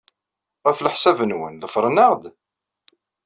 Ɣef leḥsab-nwen, ḍefren-aɣ-d?